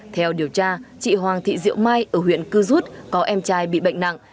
theo điều tra chị hoàng thị diệu mai ở huyện cư rút có em trai bị bệnh nặng